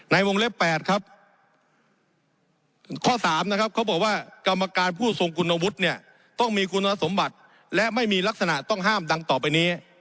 ในวงเล็บ๘ครับข้อ๓นะครับเขาบอกว่ากรรมการผู้ทรงคุณวุฒิเนี่ยต้องมีคุณสมบัติและไม่มีลักษณะต้องห้ามดังต่อไปนี้